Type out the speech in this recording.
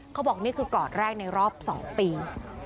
เขาบอกนี่คือกอดแรกในรอบ๒ปี